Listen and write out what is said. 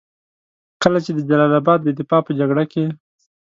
کله چې د جلال اباد د دفاع په جګړه کې.